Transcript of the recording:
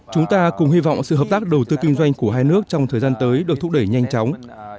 chúng ta cùng hy vọng sự hợp tác đầu tư kinh doanh của hai nước trong thời gian tới được thúc đẩy nhanh chóng